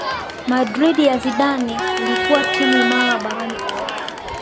Madrid ya Zidane ilikuwa timu imara barani Ulaya